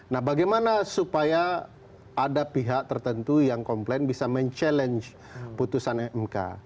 nah bagaimana supaya ada pihak tertentu yang komplain bisa mencabar putusan mk